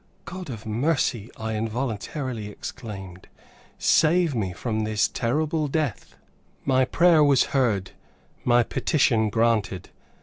God of mercy!" I involuntarily exclaimed, "save me from this terrible death." My prayer was heard, my petition granted.